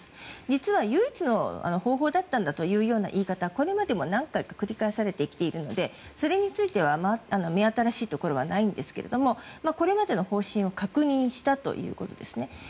実は唯一の方法だったんだというような言い方はこれまでも何回か繰り返されてきているのでそれについては目新しいところはないんですけれどもこれまでの方針を確認したということですね。